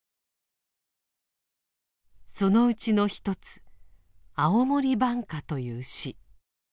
そのうちの一つ「青森挽歌」という詩。